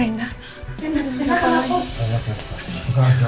enggak enggak tahu enggak tahu